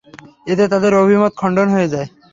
এতে তাদের অভিমত খণ্ডন হয়ে যায়।